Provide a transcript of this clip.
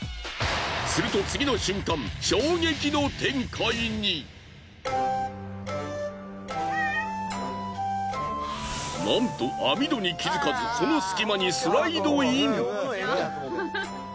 すると次の瞬間なんと網戸に気づかずその隙間にスライドイン！